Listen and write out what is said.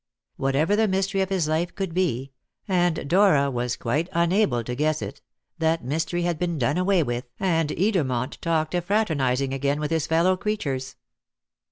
Whatever the mystery of his life could be and Dora was quite unable to guess it that mystery had been done away with, and Edermont talked of fraternizing again with his fellow creatures.